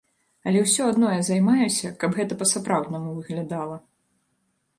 Алё ўсё адно я займаюся, каб гэта па-сапраўднаму выглядала.